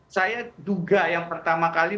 saya duga yang pertama kali